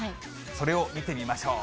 それを見てみましょう。